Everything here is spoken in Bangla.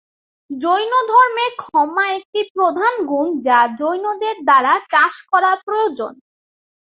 জৈনধর্মে ক্ষমা একটি প্রধান গুণ যা জৈনদের দ্বারা চাষ করা প্রয়োজন।